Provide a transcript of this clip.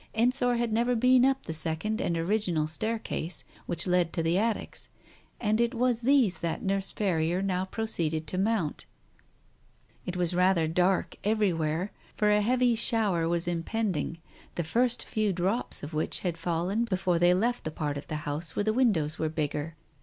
Ensor had never been up the second and original staircase which led to the attics, and it was these that Nurse Ferrier now proceeded to mount. It was rather dark everywhere, for a heavy shower was impending, the first few drops of which had fallen before they left the part of the house Digitized by Google THE TIGER SKIN 297 where the windows were bigger.